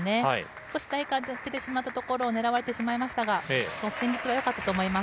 少し高く出てしまったところを狙われてしまいましたが戦術は良かったと思います。